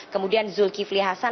kemudian zulkifli hasan